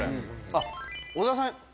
あっ小澤さん。